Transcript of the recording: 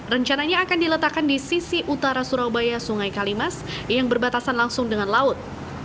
rencananya akan diletakkan di sisi utara surabaya sungai kalimas yang berbatasan langsung dengan laut